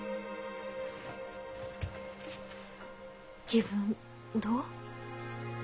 気分どう？